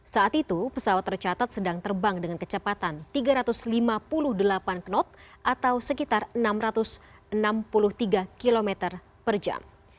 saat itu pesawat tercatat sedang terbang dengan kecepatan tiga ratus lima puluh delapan knot atau sekitar enam ratus enam puluh tiga km per jam